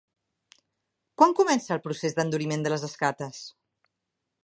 Quan comença el procés d'enduriment de les escates?